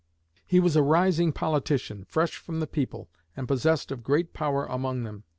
He was a rising politician, fresh from the people, and possessed of great power among them.